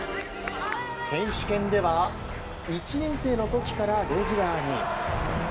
選手権では１年生の時からレギュラーに。